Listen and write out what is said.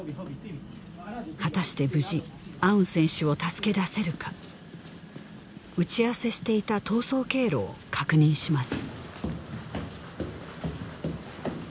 果たして無事アウン選手を助け出せるか打ち合わせしていた逃走経路を確認します